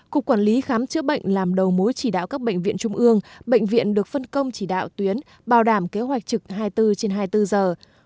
cục quản lý khám chữa bệnh làm đầu mối chỉ đạo các bệnh viện trung ương bệnh viện được phân công chỉ đạo tuyến bảo đảm kế hoạch trực hai mươi bốn trên hai mươi bốn giờ